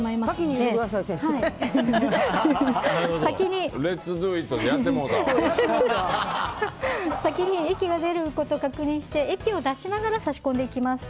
で先に液が出ることを確認して液を出しながら差し込んでいきます。